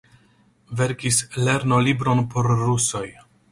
Verkis lernolibron por rusoj.